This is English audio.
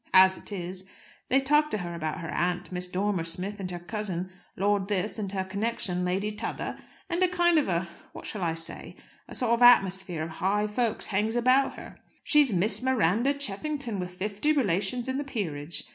As it is, they talk to her about her aunt, Mrs. Dormer Smith, and her cousin, Lord This, and her connection, Lady T'other, and a kind of a what shall I say? a sort of atmosphere of high folks hangs about her. She's Miss Miranda Cheffington, with fifty relations in the peerage.